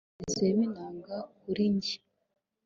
ntabwo byigeze bingana kuri njye